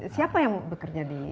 siapa yang bekerja di